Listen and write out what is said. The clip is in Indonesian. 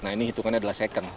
nah ini hitungannya adalah second